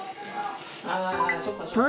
あそっかそっか。